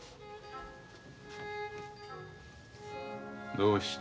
どうした？